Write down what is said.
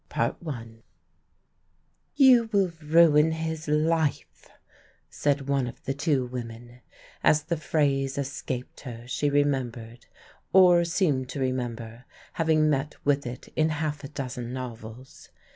VICTOR. I. "You will ruin his life," said one of the two women. As the phrase escaped her she remembered, or seemed to remember, having met with it in half a dozen novels.